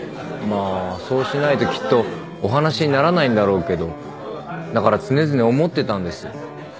まあそうしないときっとお話にならないんだろうけどだから常々思ってたんです。